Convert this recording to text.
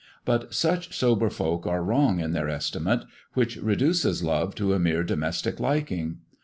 But such sober folk are wrong in their estimate, which reduces love to a mere domestic liking.